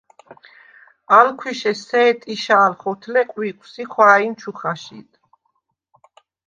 ალ ქვიშე სე̄ტიშა̄ლ ხოთლე ყვიყვს ი ხვა̄̈ჲნ ჩუ ხაშიდ.